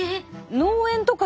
農園とかに。